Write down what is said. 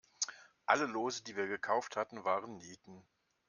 Alle Lose, die wir gekauft hatten, waren Nieten.